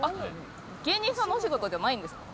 芸人さんのお仕事じゃないんですか。